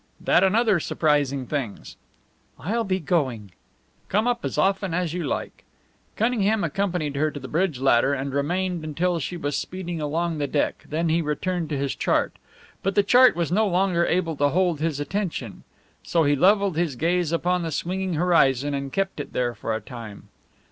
"That and other surprising things." "I'll be going." "Come up as often as you like." Cunningham accompanied her to the bridge ladder and remained until she was speeding along the deck; then he returned to his chart. But the chart was no longer able to hold his attention. So he levelled his gaze upon the swinging horizon and kept it there for a time.